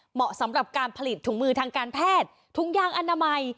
เหมาะสำหรับการผลิตถุงมือทางการแพทย์ถุงยางอนามัย